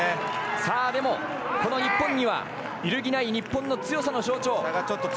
日本には揺るぎない日本の強さの象徴。